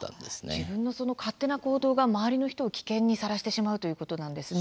自分のその勝手な行動が周りの人を危険にさらしてしまうということなんですね。